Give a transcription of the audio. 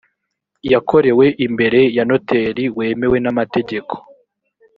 yakorewe imbere ya noteri wemewe n amategeko